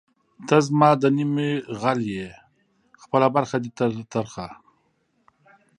ته زما د نیمې غل ئې خپله برخه دی تر ترخه